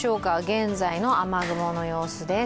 現在の雨雲の様子です。